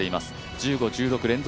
１５、１６連続